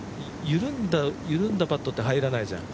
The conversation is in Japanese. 緩んだパットって入らないじゃん。